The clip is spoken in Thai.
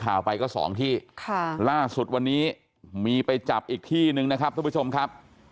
ข่าวไปก็สองที่ค่ะล่าสุดวันนี้มีไปจับอีกที่หนึ่งนะครับทุกผู้ชมครับ